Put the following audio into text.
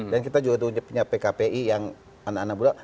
kita juga punya pkpi yang anak anak muda